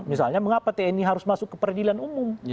misalnya mengapa tni harus masuk ke peradilan umum